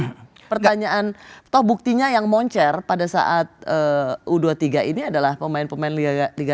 nah pertanyaan toh buktinya yang moncer pada saat u dua puluh tiga ini adalah pemain pemain liga satu